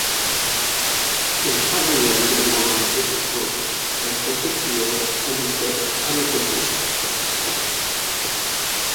Il travailla également dans les Hôpitaux, à la Salpêtrière, à Bicêtre, à l’Hôtel-Dieu.